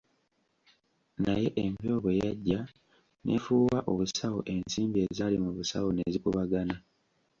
Naye empewo bwe yajja n'efuuwa obusawo ensimbi ezaali mu busawo ne zikubagana!